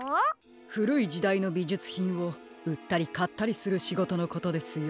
ふるいじだいのびじゅつひんをうったりかったりするしごとのことですよ。